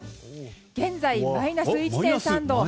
現在マイナス１．３度。